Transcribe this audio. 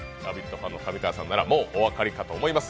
ファンの上川さんならもうお分かりだと思います。